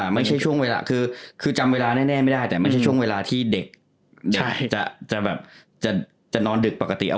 ไม่ใช่ช่วงเวลาคือจำเวลาแน่ไม่ได้แต่ไม่ใช่ช่วงเวลาที่เด็กจะแบบจะนอนดึกปกติ